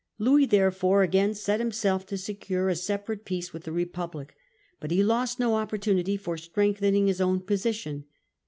Louis therefore again set himself to secure a separate peace with the Republic. But he lost no opportunity of strengthening his own position.